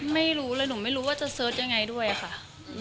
ไม่รู้เลยหนูไม่รู้ว่าจะเสิร์ชยังไงด้วยค่ะ